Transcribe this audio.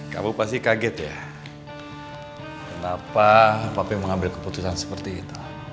kamu pasti kaget ya kenapa papi mengambil keputusan seperti itu